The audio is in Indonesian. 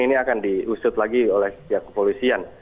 ini akan diusut lagi oleh pihak kepolisian